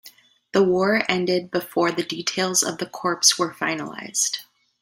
The war ended before the details of the corps were finalized.